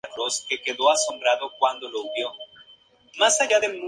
Estas ciudades actuaron como puertos de entrada hacia un país.